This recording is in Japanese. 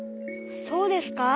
そうですか？